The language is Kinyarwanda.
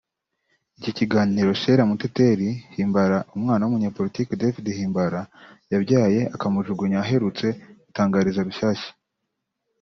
Iki ni ikiganiro Cheila Muteteri Himbara umwana w’umunyapolitiki David Himbara yabyaye akamujugunya aherutse gutangariza Rushyashya